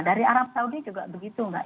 dari arab saudi juga begitu mbak